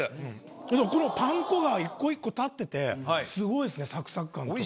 このパン粉が１個１個立っててスゴいですねサクサク感と。